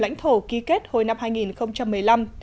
lãnh thổ ký kết hồi năm hai nghìn một mươi năm